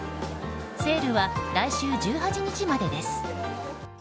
セールは来週１８日までです。